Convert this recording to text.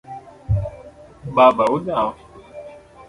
Baba: Udhao?